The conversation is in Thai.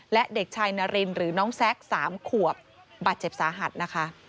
และเด็กชายนารินหรือน้องแซค๓ขวบบาดเจ็บสาหัสนะคะ